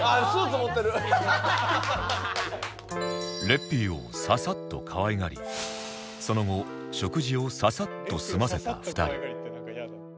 レッピーをささっと可愛がりその後食事をささっと済ませた２人